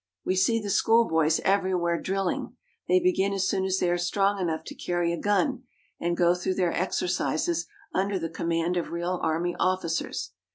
We see the schoolboys everywhere drilling. They begin as soon as they are strong enough to carry a gun and go through their exercises under the command of real army officers.